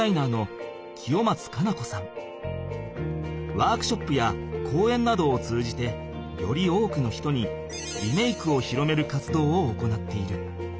ワークショップやこうえんなどを通じてより多くの人にリメイクを広める活動を行っている。